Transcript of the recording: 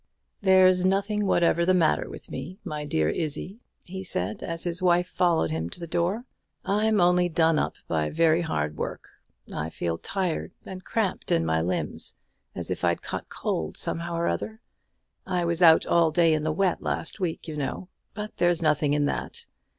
"There's nothing whatever the matter with me, my dear Izzie," he said, as his wife followed him to the door; "I'm only done up by very hard work. I feel tired and cramped in my limbs, as if I'd caught cold somehow or other. I was out all day in the wet, last week, you know; but there's nothing in that.